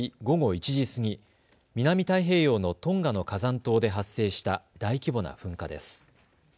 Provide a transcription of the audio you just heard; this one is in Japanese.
午後１時過ぎ、南太平洋のトンガの火山島で発生した大規模な噴火です。